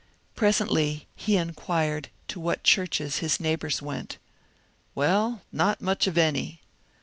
Presently he inquired to what churches his neighbours went. " Well, not much of any."